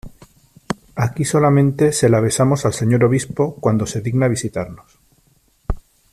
aquí solamente se la besamos al Señor Obispo , cuando se digna visitarnos .